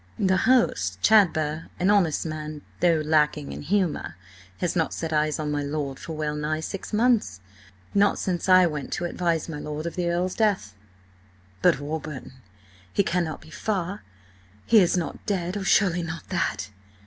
"The host, Chadber–an honest man, though lacking in humour–has not set eyes on my lord for well nigh six months. Not since I went to advise my lord of the Earl's death." "But, Warburton, he cannot be far? He is not dead! Oh, surely not that?"